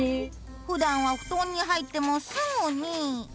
ふだんは布団に入ってもすぐに。